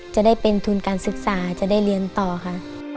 จะได้เป็นทุนการศึกษาจะได้เรียนต่อค่ะ